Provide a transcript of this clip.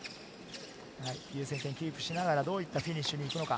キープしながら、どうやってフィニッシュに行くのか。